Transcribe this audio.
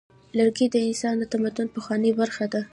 لرګی د انسان د تمدن پخوانۍ برخه ده.